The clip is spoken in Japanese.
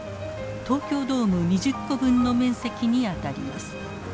東京ドーム２０個分の面積にあたります。